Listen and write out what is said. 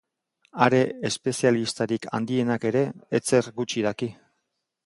Are espezialistarik handienak ere ezer gutxi daki.